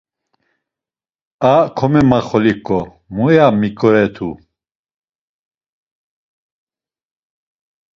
A komemaxeliǩo muya miǩoret̆u!